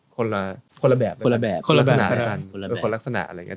คนละคนละแบบคนละแบบคนละลักษณะกันคนละเป็นคนลักษณะอะไรอย่างนี้